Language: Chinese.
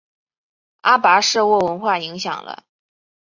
阿巴舍沃文化影响了。